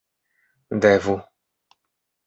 devu